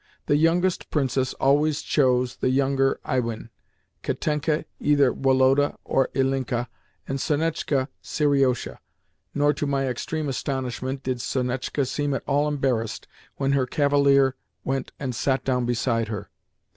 The youngest princess always chose the younger Iwin, Katenka either Woloda or Ilinka, and Sonetchka Seriosha—nor, to my extreme astonishment, did Sonetchka seem at all embarrassed when her cavalier went and sat down beside her.